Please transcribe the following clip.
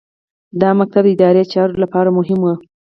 دا ښوونځي د اداري چارو لپاره مهم وو.